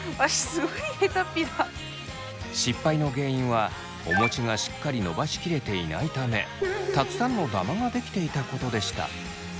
失敗の原因はお餅がしっかりのばしきれていないためたくさんのダマが出来ていたことでした。